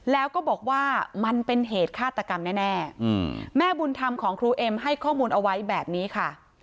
แล้วก็บอกว่ามันเป็นเหตุฆาตกรรมแน่แม่บุญธรรมของครูเอ็มให้ข้อมูลเอาไว้แบบนี้ค่ะ